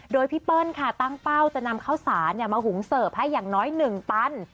โดยพี่เปิ้ลค่ะตั้งเป้าจะนำข้าวสารมาหุงเสิร์ฟให้อย่างน้อย๑ตัน